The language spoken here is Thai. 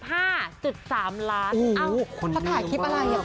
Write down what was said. อ้าวเพราะถ่ายคลิปอะไร